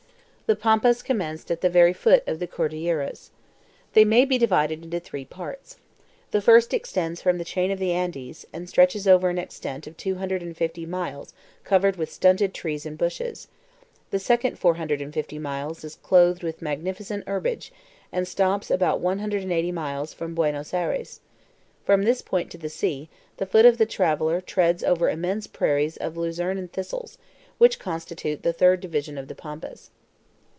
The Pampas commenced at the very foot of the Cordilleras. They may be divided into three parts. The first extends from the chain of the Andes, and stretches over an extent of 250 miles covered with stunted trees and bushes; the second 450 miles is clothed with magnificent herbage, and stops about 180 miles from Buenos Ayres; from this point to the sea, the foot of the traveler treads over immense prairies of lucerne and thistles, which constitute the third division of the Pampas.